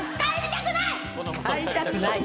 帰りたくない？